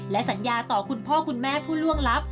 และสัญญาต่อคุณพ่อคุณแม่ผู้ล่วงลับ